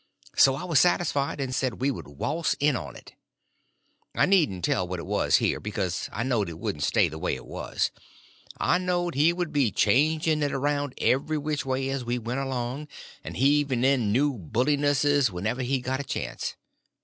So I was satisfied, and said we would waltz in on it. I needn't tell what it was here, because I knowed it wouldn't stay the way, it was. I knowed he would be changing it around every which way as we went along, and heaving in new bullinesses wherever he got a chance.